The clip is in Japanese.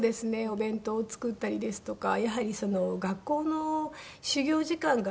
お弁当を作ったりですとかやはり学校の始業時間が早いんですね。